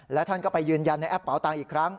และท่านก็ไปยืนยันในแอปเป๋าตังค์อีกครั้ง